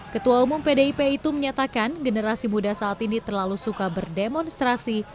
ketua umum pdip itu menyatakan generasi muda saat ini terlalu suka berdemonstrasi